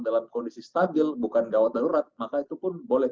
dalam kondisi stabil bukan gawat darurat maka itu pun boleh